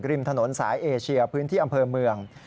ริมถนนสายเอเชียพื้นที่อำเภอเมือง